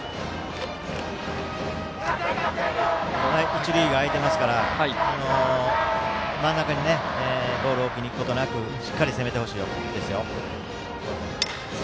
一塁が空いていますから真ん中にボールを置きに行くことなくしっかり攻めてほしいです。